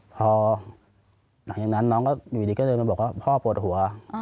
พอหลังจากนั้นน้องก็อยู่ดีก็เดินมาบอกว่าพ่อปวดหัว